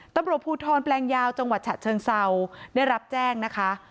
ตำรวจภูทรแปลงยาวจังหวัดฉะเชิงเศร้าได้รับแจ้งนะคะ